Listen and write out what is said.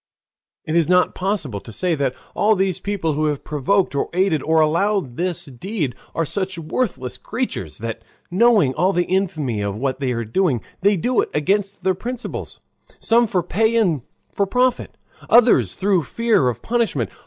It is not possible to say that all these people who have provoked or aided or allowed this deed are such worthless creatures that, knowing all the infamy of what they are doing, they do it against their principles, some for pay and for profit, others through fear of punishment.